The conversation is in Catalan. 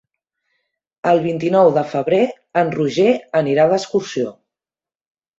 El vint-i-nou de febrer en Roger anirà d'excursió.